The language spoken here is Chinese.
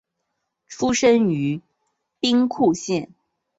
出身于兵库县。